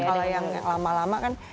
kalau yang lama lama kan